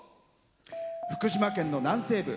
福島県の南西部。